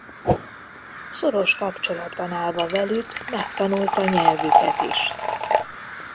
Szoros kapcsolatban állva velük megtanulta nyelvüket is.